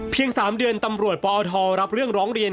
๓เดือนตำรวจปอทรับเรื่องร้องเรียน